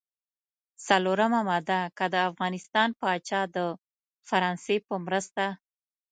څلورمه ماده: که د افغانستان پاچا د فرانسې په مرسته.